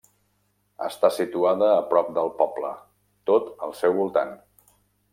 Està situada a prop del poble, tot al seu voltant.